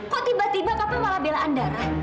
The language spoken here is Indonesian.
kok tiba tiba papa malah bela andara